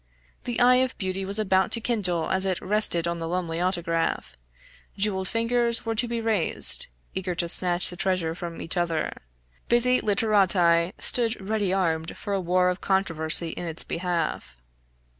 The eye of beauty was about to kindle as it rested on the Lumley autograph; jeweled fingers were to be raised, eager to snatch the treasure from each other; busy literati stood ready armed for a war of controversy in its behalf.